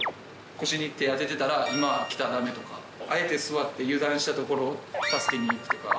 腰に手当ててたら今は来たらだめとか、あえて座って油断したところを助けに行くとか。